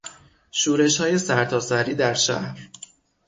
شورشهای سرتاسری در شهر